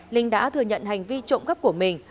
linh đã thừa nhận hành vi trộm cắp của mình